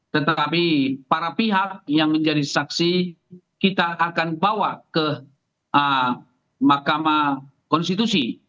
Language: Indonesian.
tetapi para pihak yang menjadi saksi kita akan bawa ke mahkamah konstitusi